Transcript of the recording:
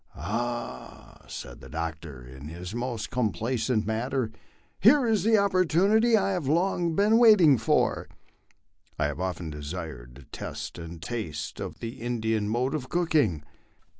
"Ah!" said the doctor, in his most complacent manner, "hero is the opportunity I have long been waiting for. I have often desired to test and taste of the Indian mode of cooking.